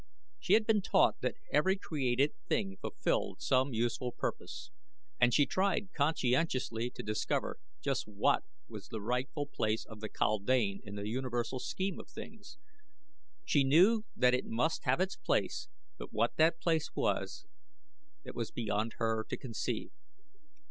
She had been taught that every created thing fulfilled some useful purpose, and she tried conscientiously to discover just what was the rightful place of the kaldane in the universal scheme of things. She knew that it must have its place but what that place was it was beyond her to conceive.